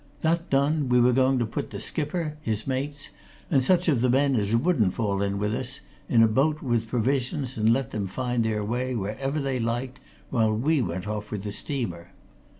That done, we were going to put the skipper, his mates, and such of the men as wouldn't fall in with us, in a boat with provisions and let them find their way wherever they liked, while we went off with the steamer.